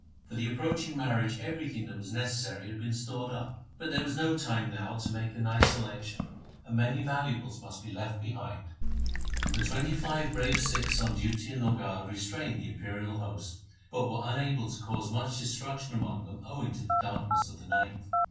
For the approaching marriage everything that was necessary had been stored up, but there was no time now to LIFE OF GURU HAR GOBIND 83 make a nice selection, and many valuables must be left behind. The twenty five brave Sikhs on duty in Lohgarh restrained the imperial host, but were unable to cause much destruction among them owing to the darkness of the night.